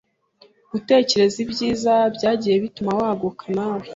Gutekereza ibyiza byagiye bituma waguka nawe